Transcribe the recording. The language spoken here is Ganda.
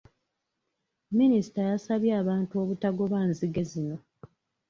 Minisita yasabye abantu obutagoba nzige zino.